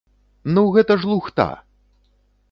Ну гэта ж лухта!